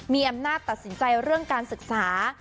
มีอำนาจตัดสินใจเรื่องการศึกษา